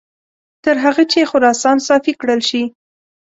تر هغه چې خراسان صافي کړل شي.